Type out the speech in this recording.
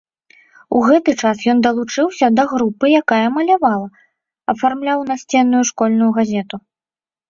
У гэты час ён далучыўся да групы, якая малявала, афармляў насценную школьную газету.